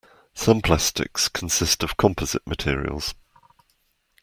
Some plastics consist of composite materials.